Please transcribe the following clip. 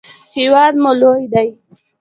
هیواد مو لوی ده.